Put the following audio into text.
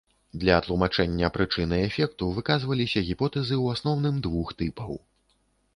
Для тлумачэння прычыны эфекту выказваліся гіпотэзы ў асноўным двух тыпаў.